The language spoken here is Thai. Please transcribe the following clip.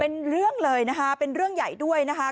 เป็นเรื่องเลยนะคะเป็นเรื่องใหญ่ด้วยนะคะ